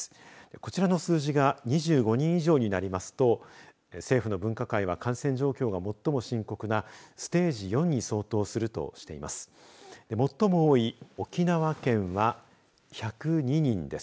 こちらの数字が２５人以上になりますと政府の分科会は感染状況が最も深刻なステージ４に相当するとしています。